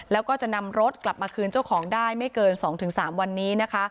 แล้วก็จะนำรถกลับมาคืนเจ้าของได้ไม่เกิน๒๓วันนี้นะคะ